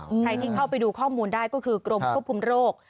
ใครที่เข้าไปดูข้อมูลได้ก็คือกรมควบคุมโรค